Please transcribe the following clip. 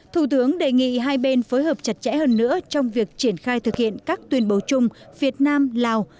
thủ tướng đề nghị hai bên phối hợp chặt chẽ hơn nữa trong việc triển khai thực hiện các tuyên bố chung việt nam lào